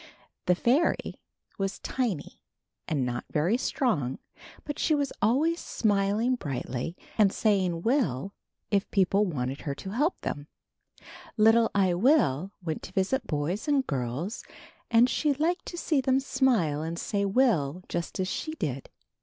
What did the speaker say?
The fairy was tiny and not very strong but she was always smiling brightly and say ing will," if people wanted her to help them. Little I Will went to visit boys and 34 THE GIANT AND THE FAIRY. girls and she liked to see them smile and say will/' just as she did.